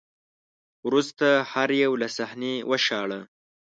وروسته هر یو له صحنې وشاړه